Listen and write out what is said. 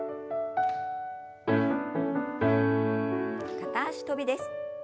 片脚跳びです。